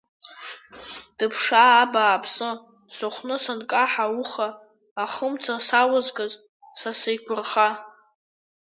Дыԥшаа, абааԥсы, сыхәны санкаҳа ауха, ахымца салызгаз, са сеиқәырха.